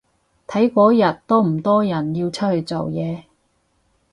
睇嗰日多唔多人要出去做嘢